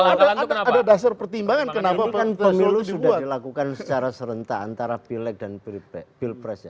ada dasar pertimbangan kenapa pemilu sudah dilakukan secara serentak antara pilek dan pilpres ya